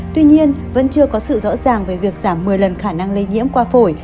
tuy nhiên vẫn chưa có sự rõ ràng về việc giảm một mươi lần khả năng lây nhiễm qua phổi